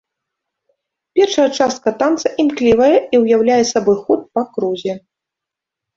Першая частка танца імклівая і ўяўляе сабой ход па крузе.